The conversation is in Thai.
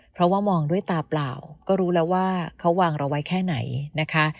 เพราะว่ามองด้วยตาเปล่าก็รู้แล้วว่าเขาวางเราไว้แค่ไหนนะคะ